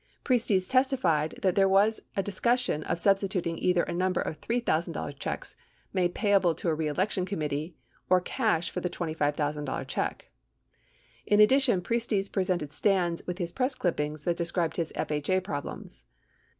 Priestes testified that there was a discussion of substituting either a number of $3,000 checks made payable to a reelection committee or cash for the $25,000 check. 86 In addition, Priestes presented Stans with his press clippings that described his FHA problems.